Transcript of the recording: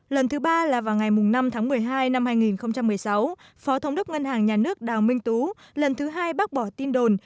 lần thứ ba là vào ngày năm tháng một mươi hai năm hai nghìn một mươi sáu phó thống đốc ngân hàng nhà nước đào minh tú lần thứ hai bác bỏ tin đồn